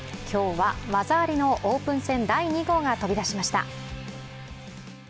今日は技ありのオープン戦第２号が飛び出しました。